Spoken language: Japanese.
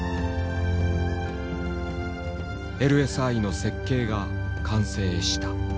ＬＳＩの設計が完成した。